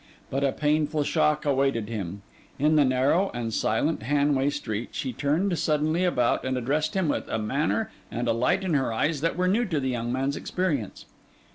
But a painful shock awaited him. In the narrow and silent Hanway Street, she turned suddenly about and addressed him with a manner and a light in her eyes that were new to the young man's experience.